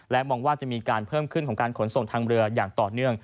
มองว่าจะมีการเพิ่มขึ้นของการขนส่งทางเรืออย่างต่อเนื่อง